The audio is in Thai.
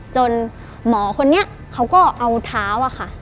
หมอคนนี้เขาก็เอาเท้าอะค่ะ